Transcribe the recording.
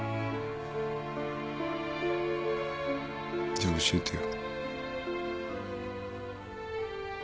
じゃあ教えてよ。